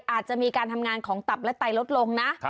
อาจจะมีการทำงานของตับและไตลดลงนะ